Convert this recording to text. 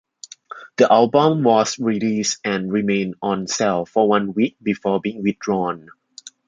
The album was released and remained on sale for one week before being withdrawn.